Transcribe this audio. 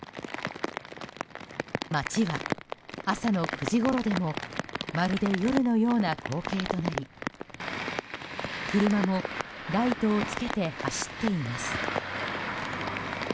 街は朝の９時ごろでもまるで夜のような光景となり車もライトをつけて走っています。